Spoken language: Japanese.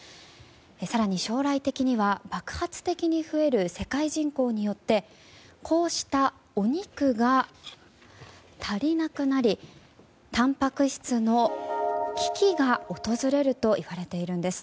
更に将来的には爆発的に増える世界人口によってこうしたお肉が足りなくなりたんぱく質の危機が訪れるといわれているんです。